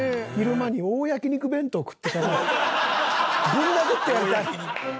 ぶん殴ってやりたい。